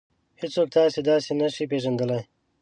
هېڅوک تاسې داسې نشي پېژندلی.